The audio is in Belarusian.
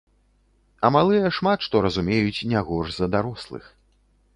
А малыя шмат што разумеюць не горш за дарослых.